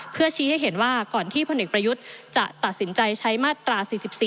เพื่อชี้ให้เห็นว่าก่อนที่พลเอกประยุทธ์จะตัดสินใจใช้มาตรา๔๔